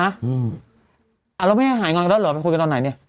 แล้วแม่หายงอนกันแล้วเหรอไปคุยกันตอนไหนเนี่ย